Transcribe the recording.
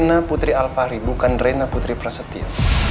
rena putri al fahri bukan rena putri prasetya